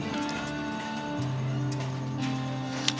kita juga jangan terlalu berharap sih